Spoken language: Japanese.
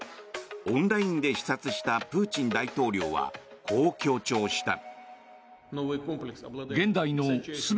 オンラインで視察したプーチン大統領はこう強調した。